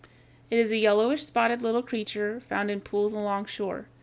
It is a yellowish spotted little creature found in pools alongshore.